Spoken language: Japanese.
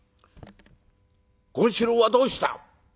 「権四郎はどうした？」。